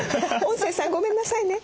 音声さんごめんなさいね。